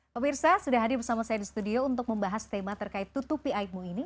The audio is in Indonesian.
pemirsa sudah hadir bersama saya di studio untuk membahas tema terkait tutupi aibmu ini